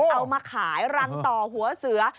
เอามาขายรังต่อหัวเสือ